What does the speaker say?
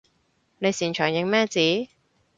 你擅長認咩字？